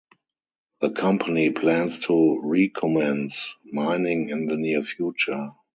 The company plans to recommence mining in the near future.